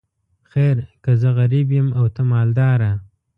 خیر که زه غریب یم او ته مالداره.